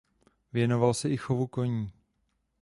Věnoval se i chovu koní.